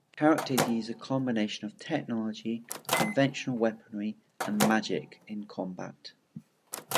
Characters use a combination of technology, conventional weaponry and magic in combat.